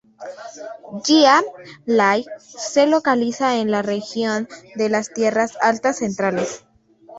Gia Lai se localiza en la región de las Tierras Altas Centrales.